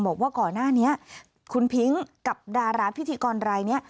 บอกว่าก่อนหน้านี้คุณพิ้งกับดาราพิธีกรรายนี้